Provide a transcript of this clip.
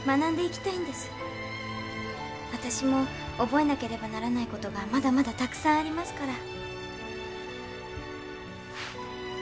私も覚えなければならない事がまだまだ沢山ありますから。